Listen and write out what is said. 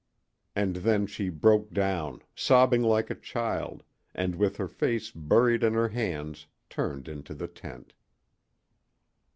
And then she broke down, sobbing like a child, and with her face buried in her hands turned into the tent.